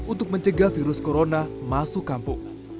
untuk mencegah virus corona masuk kampung